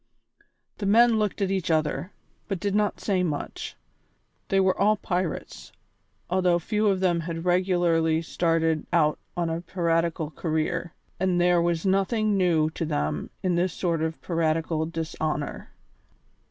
The men looked at each other, but did not say much. They were all pirates, although few of them had regularly started out on a piratical career, and there was nothing new to them in this sort of piratical dishonour.